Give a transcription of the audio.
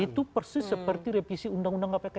itu persis seperti revisi undang undang kpk